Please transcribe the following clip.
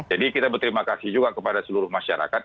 jadi kita berterima kasih juga kepada seluruh masyarakat